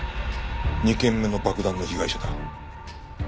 ２件目の爆弾の被害者だ。